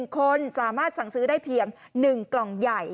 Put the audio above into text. คนสามารถสั่งซื้อได้เพียง๑กล่องใหญ่